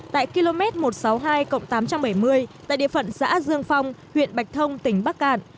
tại km một trăm sáu mươi hai tám trăm bảy mươi tại địa phận xã dương phong huyện bạch thông tỉnh bắc cạn